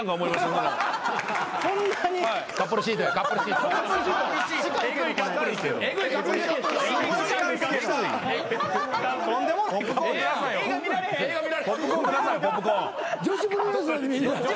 女子プロレスラーに見える。